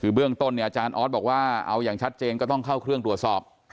คือเบื้องต้นเนี่ยอาจารย์ออสบอกว่าเอาอย่างชัดเจนก็ต้องเข้าเครื่องตรวจสอบ